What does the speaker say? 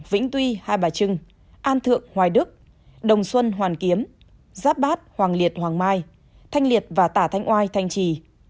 vĩnh tuy hai bà trưng an thượng hoài đức đồng xuân hoàn kiếm giáp bát hoàng liệt hoàng mai thanh liệt và tả thanh oai thanh trì